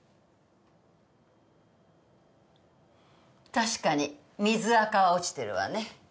確かに水垢は落ちてるわね。